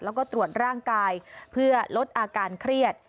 แล้วก็ตรวจร่างกายเพื่อลดอาการเครียด